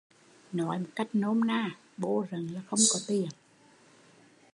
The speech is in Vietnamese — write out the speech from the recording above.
Nói một cách nôm na, “bô rận” là không có tiền